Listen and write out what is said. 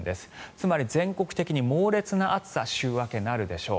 つまり全国的に猛烈な暑さ週明け、なるでしょう。